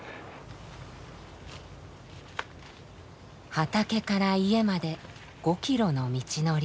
畑から家まで５ｋｍの道のり。